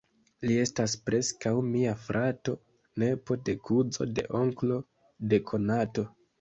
Li estas preskaŭ mia frato: nepo de kuzo de onklo de konato.